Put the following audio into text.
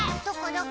どこ？